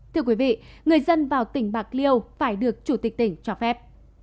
thưa quý vị người dân vào tỉnh bạc liêu phải được chủ tịch tỉnh cho phép